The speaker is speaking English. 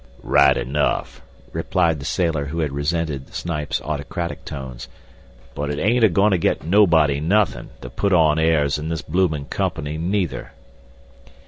"Right enough," replied the sailor who had resented Snipes' autocratic tones; "but it ain't a goin' to get nobody nothin' to put on airs in this bloomin' company neither."